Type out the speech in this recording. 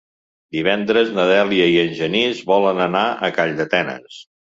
Divendres na Dèlia i en Genís volen anar a Calldetenes.